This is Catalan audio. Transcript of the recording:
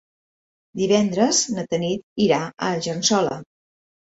Divendres na Tanit irà a Argençola.